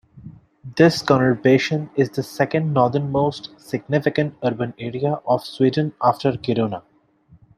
This conurbation is the second northernmost significant urban area of Sweden after Kiruna.